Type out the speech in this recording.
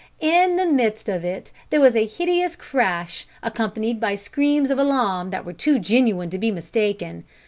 In the midst of it there was a hideous crash, accompanied by screams of alarm that were too genuine to be mistaken.